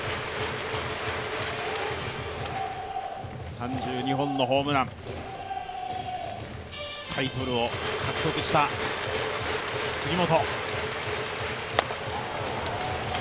３２本のホームラン、タイトルを獲得した杉本。